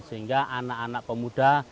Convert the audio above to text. sehingga anak anak pemuda